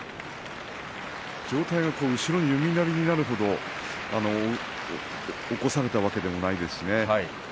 上体が、後ろに弓なりになるほど起こされたわけでもないですしね。